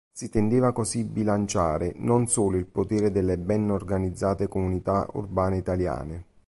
Si intendeva così bilanciare non solo il potere delle ben organizzate comunità urbane italiane.